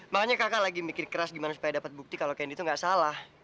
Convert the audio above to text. makanya kakak lagi mikir keras gimana supaya dapat bukti kalau kayak gitu gak salah